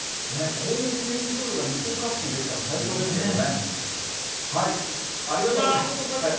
こういう市民プールが日本各地に出来たら最高ですけどね。